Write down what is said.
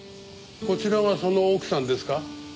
こちらがその奥さんですか？